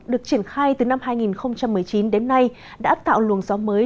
được triển khai từ năm hai nghìn một mươi chín đến nay đã tạo luồng gió mới